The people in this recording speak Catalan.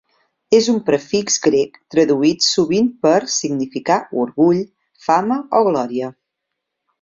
És un prefix grec traduït sovint per significar "orgull", "fama" o "glòria".